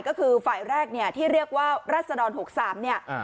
ก็คือฝ่ายแรกเนี่ยที่เรียกว่ารัศดร๖๓เนี่ย